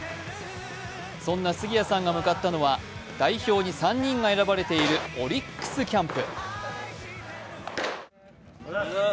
そんな杉谷さんが向かったのは代表に３人が選ばれているオリックスキャンプ。